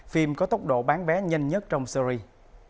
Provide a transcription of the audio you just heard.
phim có tốc độ bán vé nhanh nhất trong series